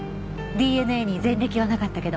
ＤＮＡに前歴はなかったけど。